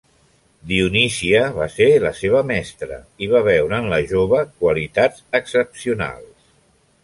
Dionísia va ser la seva mestra i va veure en la jove qualitats excepcionals.